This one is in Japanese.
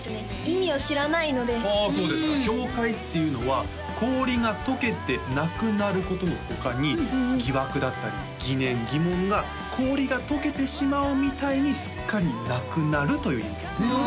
意味を知らないのでああそうですか氷解っていうのは氷が解けてなくなることの他に疑惑だったり疑念疑問が氷が解けてしまうみたいにすっかりなくなるという意味ですね